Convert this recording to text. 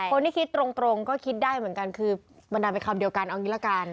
คนที่คิดตรงก็คิดได้เหมือนกันคือบันดาลเป็นคำเดียวกันเอางี้ละกัน